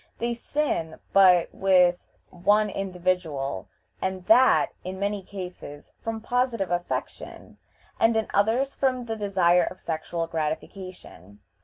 They sin but with one individual, and that, in many cases, from positive affection, and in others from the desire of sexual gratification.